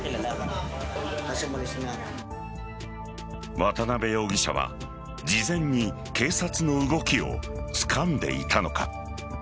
渡辺容疑者は事前に警察の動きをつかんでいたのか。